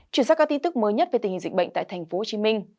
chuyển sang các tin tức mới nhất về tình hình dịch bệnh tại tp hcm